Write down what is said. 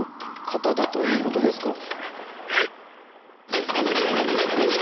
方だということですから。